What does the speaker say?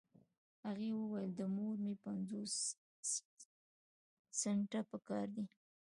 هغې وويل د مور مې پنځوس سنټه پهکار دي.